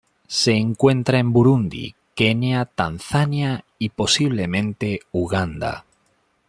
Se encuentra en Burundi, Kenia Tanzania y posiblemente, Uganda.